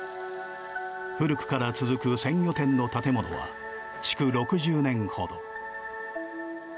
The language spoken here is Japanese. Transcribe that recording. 古くから続く鮮魚店の建物は築６０年ほど。